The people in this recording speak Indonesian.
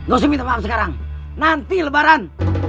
gak usah minta maaf sekarang nanti lebaran